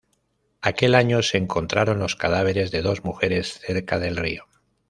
Aquel año, se encontraron los cadáveres de dos mujeres cerca del río.